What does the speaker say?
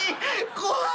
怖い」。